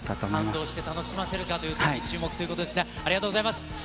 感動して楽しませるかということに注目ということですが、ありがとうございます。